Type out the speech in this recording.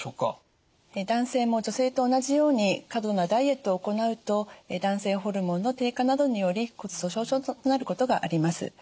男性も女性と同じように過度なダイエットを行うと男性ホルモンの低下などにより骨粗しょう症となることがあります。